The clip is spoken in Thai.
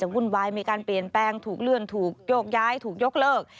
แต่วุ่นวายมีการเปลี่ยนแปลงถูกเลื่อนถูกโยกย้ายถูกยกเลิก